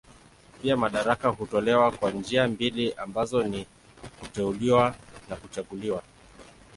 Pia madaraka hutolewa kwa njia mbili ambazo ni kuteuliwa na kuchaguliwa.